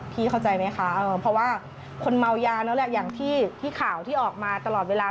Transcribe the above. เข้าใจไหมคะเพราะว่าคนเมายานั่นแหละอย่างที่ข่าวที่ออกมาตลอดเวลา